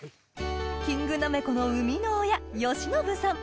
キングなめこの生みの親善伸さん